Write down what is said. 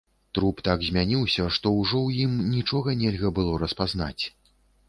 Труп так змяніўся, што ўжо ў ім нічога нельга было распазнаць.